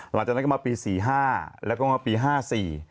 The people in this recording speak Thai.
หลังจากนั้นก็มาปี๔๕แล้วก็มาปี๕๔